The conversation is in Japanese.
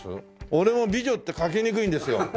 俺も美女って描きにくいんですよ。